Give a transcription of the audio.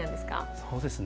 そうですね